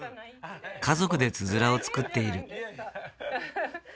家族でつづらを作っている。